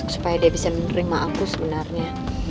supaya dia bisa menerima aku sebenarnya